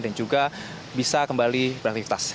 dan juga bisa kembali beraktifitas